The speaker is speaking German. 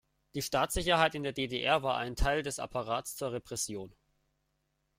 Die Staatssicherheit in der D-D-R war ein Teil des Apparats zur Repression.